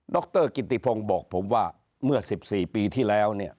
ดรกิ้นทีพลงบอกผมว่าเมื่อ๑๔ปีที่แล้ว